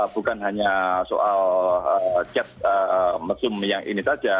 bukan hanya soal chat mesum yang ini saja